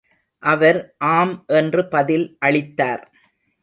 அவர் ஆம் என்று பதில் அளித்தார்.